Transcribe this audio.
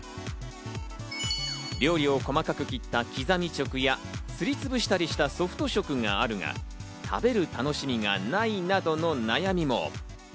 料理を細かく切ったきざみ食やすりつぶしたりしたソフト食があるが、食べる楽しみがないなどの悩みも。